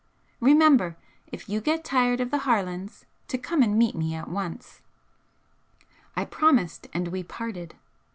Remember, if you get tired of the Harlands to come to me at once." I promised, and we parted.